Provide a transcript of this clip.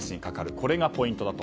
これがポイントだと。